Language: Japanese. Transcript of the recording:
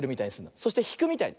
そしてひくみたいに。